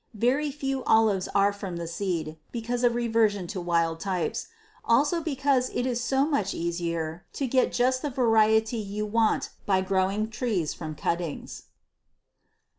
Very few olives are from the seed, because of reversion to wild types also because it is so much easier to get just the variety you want by growing trees from cuttings.